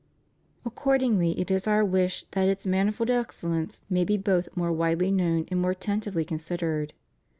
Accord ingly it is Our wish that its manifold excellence may be both more widely known and more attentively considered.